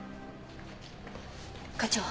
課長。